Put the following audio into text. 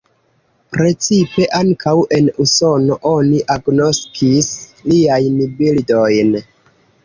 Precipe ankaŭ en Usono oni agnoskis liajn bildojn.